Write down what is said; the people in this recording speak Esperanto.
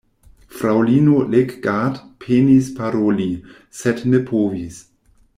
Fraŭlino Leggat penis paroli, sed ne povis.